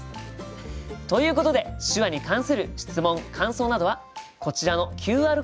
ということで手話に関する質問感想などはこちらのＱＲコードからお送りください。